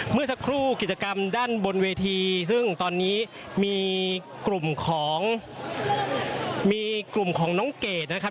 เมื่อสักครู่กิจกรรมด้านบนเวทีซึ่งตอนนี้มีกลุ่มของมีกลุ่มของน้องเกดนะครับ